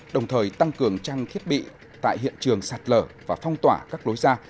đồng thời tăng cường trang thiết bị tại hiện trường sạt lở và phong tỏa các lối ra